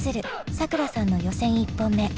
さくらさんの予選１本目。